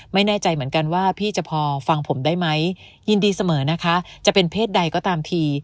ไม่แน่ใจเหมือนกันว่าพี่จะพอฟังผมได้ไหมยินดีเสมอนะคะจะเป็นเพศใดก็ตามที